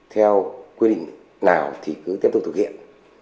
theo quy định nào thì cứ tiếp tục thực hiện